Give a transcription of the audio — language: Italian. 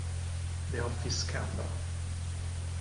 The Office Scandal